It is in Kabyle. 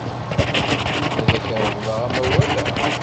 Ad ak-reḍleɣ amawal-a.